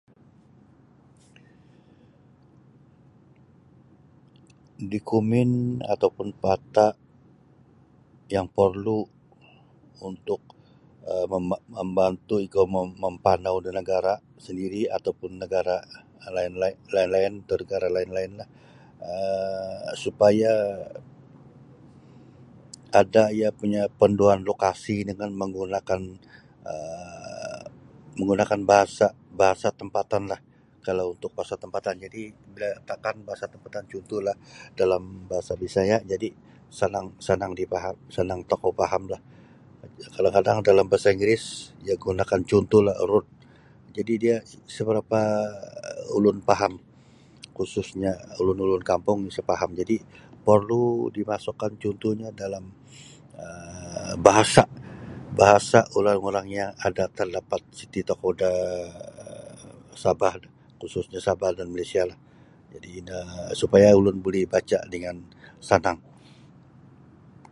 Dokumen atau pun pata' yang porlu untuk um mem membantu ikou mam mampanau da nagara' sandiri' atau pun nagara' lain-lain atau nagara' lain-lainlah um supaya ada' iyo punya' panduan lokasi dengan menggunakan um menggunakan bahasa bahasa tampatanlah kalau untuk bahasa tampatan jadi' takan bahasa tampatan cuntuhlah dalam bahasa Bisaya' jadi' sanang sanang difaham sanang tokou fahamlah kadang-kadang dalam bahasa Inggeris iyo gunakan cuntuhlah road jadi dia isa barapa' ulun faham khususnyo ulun-ulun kampung isa' faham jadi' porlu dimasukkan cuntuh dalam bahasa'-bahasa' orang-orang yang ada terdapat siti tokou da Sabah khususnyo Sabah dan Malaysialah jadi' ino supaya ulun buli baca' dengan sanang.